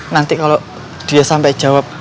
nanti kalau dia sampai jawab